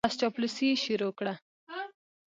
بس چاپلوسي یې شروع کړه.